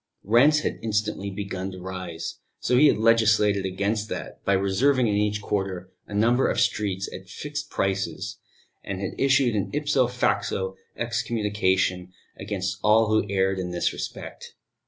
Rents had instantly begun to rise, so he had legislated against that by reserving in each quarter a number of streets at fixed prices, and had issued an ipso facto excommunication against all who erred in this respect.